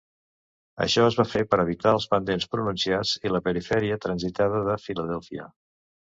Això es va fer per evitar els pendents pronunciats i la perifèria transitada de Filadèlfia.